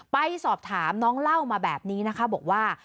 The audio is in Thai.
ไปสอบถามน้องเล่ามาแบบนี้นะคะบอกว่า